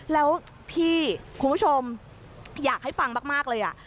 แล้วพี่คุณผู้ชมอยากให้ฟังมากเลย